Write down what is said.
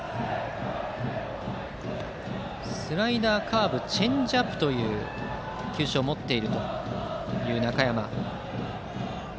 スライダー、カーブチェンジアップという球種を持っている中山。